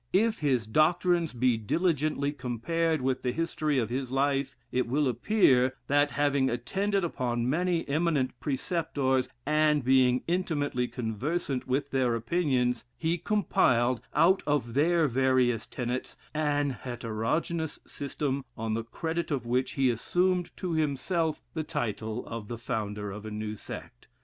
If his doctrines be diligently compared with the history of his life, it will appear, that having attended upon many eminent preceptors, and being intimately conversant with their opinions, he compiled, out of their various tenets, an heterogeneous system, on the credit of which he assumed to himself the title of the founder of a new sect....